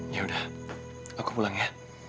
ya udah aku pulang ya